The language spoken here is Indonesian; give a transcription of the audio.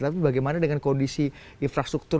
tapi bagaimana dengan kondisi infrastruktur